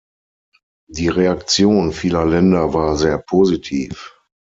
Die Reaktion vieler Länder war sehr positiv.